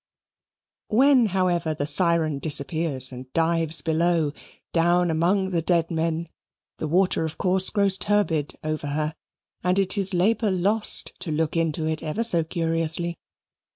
When, however, the Siren disappears and dives below, down among the dead men, the water of course grows turbid over her, and it is labour lost to look into it ever so curiously.